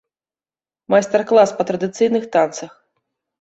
Майстар-клас па традыцыйных танцах.